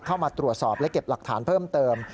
เข้ามาตรวจสอบและเก็บหลักฐานเพิ่มเติม